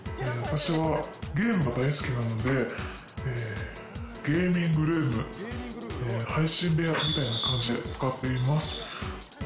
私はゲームが大好きなので、ゲーミングルーム、配信部屋みたいな感じで使っています。